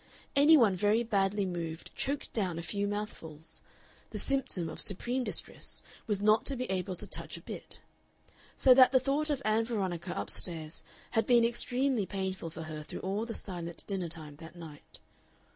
Any one very badly moved choked down a few mouthfuls; the symptom of supreme distress was not to be able to touch a bit. So that the thought of Ann Veronica up stairs had been extremely painful for her through all the silent dinner time that night.